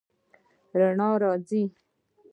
رڼا راځي